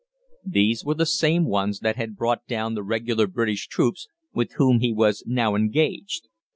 These were the same ones that had brought down the Regular British troops, with whom he was now engaged.